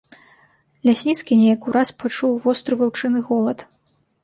Лясніцкі неяк ураз пачуў востры ваўчыны голад.